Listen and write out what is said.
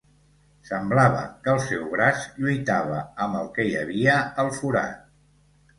Semblava que el seu braç lluitava amb el que hi havia al forat.